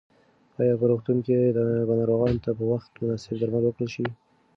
ایا په روغتون کې به ناروغانو ته په وخت مناسب درمل ورکړل شي؟